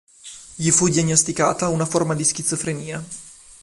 Gli fu diagnosticata una forma di schizofrenia.